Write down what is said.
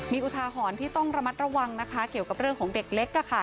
มีอุทาหรณ์ที่ต้องระมัดระวังนะคะเกี่ยวกับเรื่องของเด็กเล็ก